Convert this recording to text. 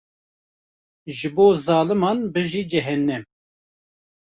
Ji bo zaliman bijî cehennem.